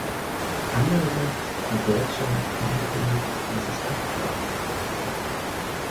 Andererseits hat Deutschland angekündigt, dass es Facharbeiter braucht.